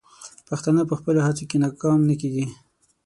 پښتانه په خپلو هڅو کې ناکام نه کیږي.